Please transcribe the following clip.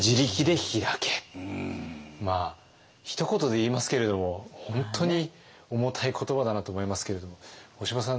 まあひと言で言いますけれども本当に重たい言葉だなと思いますけれども干場さん